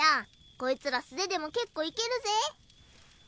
こいつら素手でも結構いけるぜ？